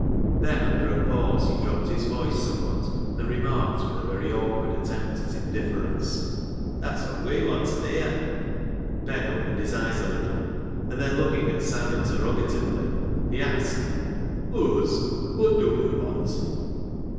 Then, after a pause, he dropped his voice somewhat, and remarked with a very awkward attempt at indifference —" That's wot we wanten here." Ben opened his eyes a little, and then, looking at Sam interrogatively, he asked —" Uz ! wot dun we want